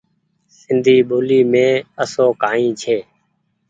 سندي ٻولي مين آسو ڪآئي ڇي۔